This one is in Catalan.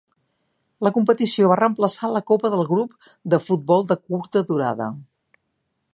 La competició va reemplaçar la Copa del grup de futbol de curta durada.